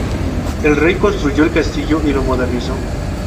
El rey reconstruyó el castillo y lo modernizó.